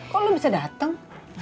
kok lu bisa dateng